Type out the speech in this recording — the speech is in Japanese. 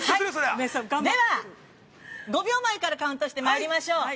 では、５秒前からカウントしてまいりましょう。